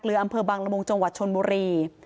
หรืออำเภอบังละมงจชนมุรี